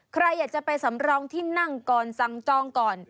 ใครอยากจะไปสำรองที่นั่งก่อนสั่งจองก่อน